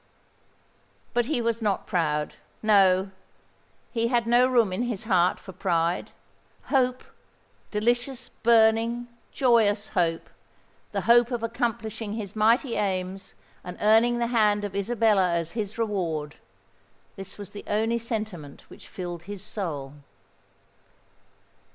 But he was not proud! No—he had no room in his heart for pride: hope—delicious, burning, joyous hope,—the hope of accomplishing his mighty aims and earning the hand of Isabella as his reward,—this was the only sentiment which filled his soul!